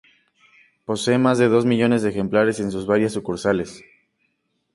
Posee más de dos millones de ejemplares en sus varias sucursales.